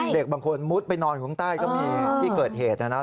เด็กบางคนมุดไปนอนอยู่ข้างใต้ก็มีที่เกิดเหตุนะครับ